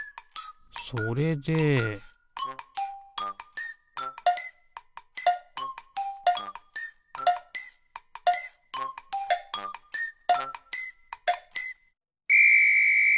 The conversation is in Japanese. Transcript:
それでピッ！